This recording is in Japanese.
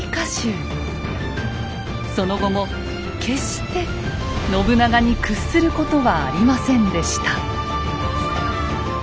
その後も決して信長に屈することはありませんでした。